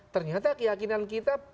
ternyata keyakinan kita